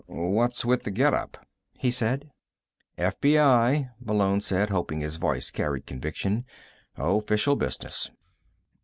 "What's with the getup?" he said. "FBI," Malone said, hoping his voice carried conviction. "Official business."